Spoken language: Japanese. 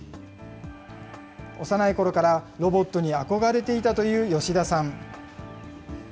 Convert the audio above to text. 幼いころからロボットに憧れていたという吉田さん。